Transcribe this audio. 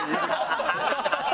ハハハハ！